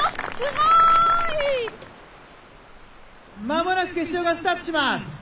間もなく決勝がスタートします。